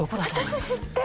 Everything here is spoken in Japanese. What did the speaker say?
私知ってる！